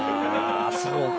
そうか。